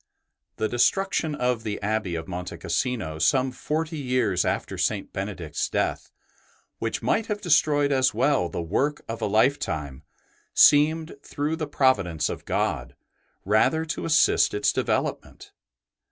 The destruction of the Abbey of Monte Cassino some forty years after St. Benedict's death, which might have destroyed as well the work of a lifetime, seemed, through the providence of God, rather to assist its develop ment.